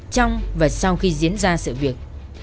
trong và sau khi diễn ra sự việc